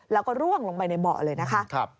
แล้วก็ร่วงลงไปในเบาะเลยนะคะ